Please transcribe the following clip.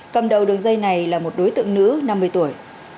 cầm đầu đường dây này là một đối tượng nữ năm mươi tuổi